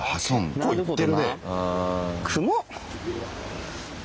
結構いってるね。